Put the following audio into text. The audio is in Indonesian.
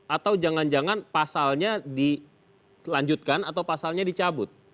atau jangan jangan pasalnya dilanjutkan atau pasalnya dicabut